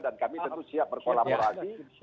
dan kami tentu siap berkolaborasi